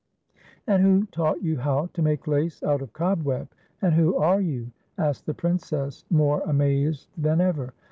" And who taught you how to make lace out of cobweb, and who are you ?" asked the Princess, more amazed than ever.